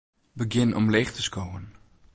Begjin omleech te skowen.